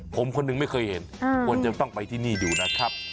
ผมคนหนึ่งไม่เคยเห็นควรจะต้องไปที่นี่ดูนะครับ